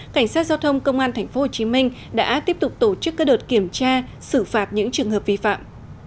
cảnh sát giao thông công an tp hcm đã tiếp tục tổ chức các đợt kiểm tra xử phạt những trường hợp vi phạm